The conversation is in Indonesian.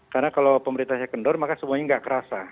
karena kalau pemerintahnya kendor maka semuanya nggak kerasa